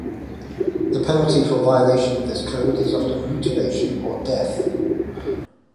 The penalty for violation of this code is often mutilation or death.